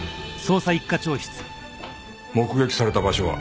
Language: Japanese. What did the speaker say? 目撃された場所は？